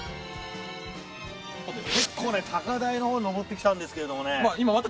結構、高台のほうに上ってきたんですけど。